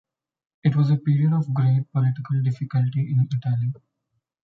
It was a period of great political difficulty in Italy.